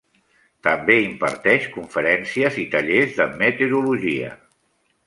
També imparteix conferències i tallers de meteorologia.